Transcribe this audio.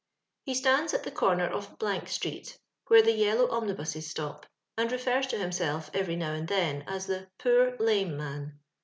He stands at the comer of — street, where the yeUow omnibuses stop, and refers to him self every now and then as the "poor lame man."